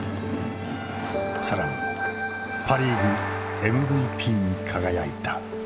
更にパ・リーグＭＶＰに輝いた。